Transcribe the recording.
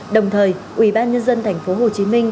đồng thời ubnd tp hồ chí minh